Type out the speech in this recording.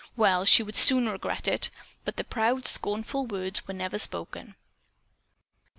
Well, she would soon regret it. But the proud, scornful words were never spoken.